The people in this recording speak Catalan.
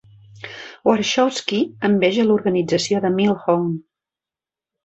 Warshawski enveja l'organització de Millhone.